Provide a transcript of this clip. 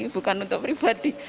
bukan untuk pribadi